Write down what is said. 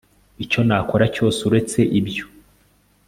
Icyo nakora cyose uretse ibyo